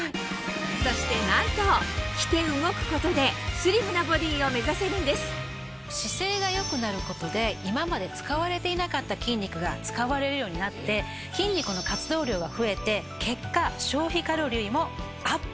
そしてなんと着て動くことで姿勢が良くなることで今まで使われていなかった筋肉が使われるようになって筋肉の活動量が増えて結果消費カロリーもアップ！